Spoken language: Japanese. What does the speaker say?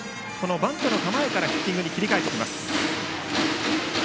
バントの構えからヒッティングに切り替えています。